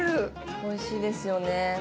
おいしいですよね。